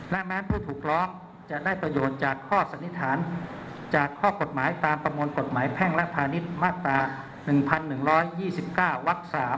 และแม้ผู้ถูกร้องจะได้ประโยชน์จากข้อสันนิษฐานจากข้อกฎหมายตามประมวลกฎหมายแพ่งและพาณิชย์มาตรา๑๑๒๙วัก๓